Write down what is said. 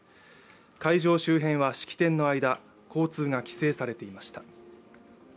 会場周辺は式典の間、交通が規制されていました。